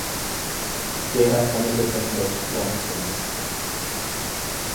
They have committed themselves long since.